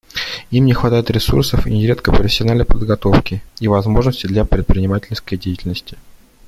Им не хватает ресурсов и нередко профессиональной подготовки и возможностей для предпринимательской деятельности.